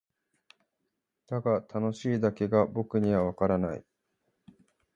だが「楽しい」だけが僕にはわからない。